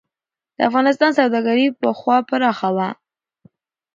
د افغانستان سوداګري پخوا پراخه وه.